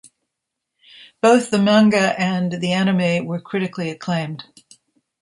Both the manga and the anime were critically acclaimed.